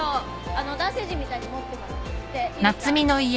あの男性陣みたいに持ってもらっていいですか？